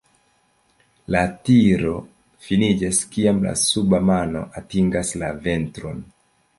La tiro finiĝas kiam la suba mano atingas la ventron.